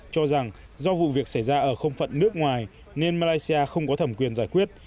cho rằng do vụ việc xảy ra ở không phận nước ngoài nên malaysia không có thẩm quyền giải quyết